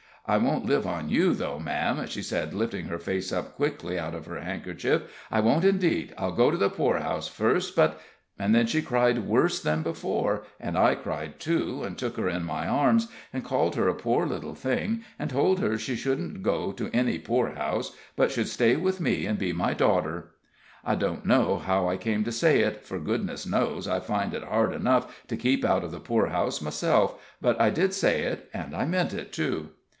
I won't live on you, though, ma'am," she said, lifting her face up quickly out of her handkerchief; "I won't, indeed. I'll go to the poorhouse first. But " Then she cried worse than before, and I cried, too, and took her in my arms, and called her a poor little thing, and told her she shouldn't go to any poorhouse, but should stay with me and be my daughter. I don't know how I came to say it, for, goodness knows, I find it hard enough to keep out of the poorhouse myself, but I did say it, and I meant it, too.